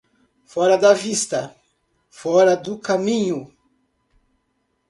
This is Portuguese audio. Fora da vista, fora do caminho.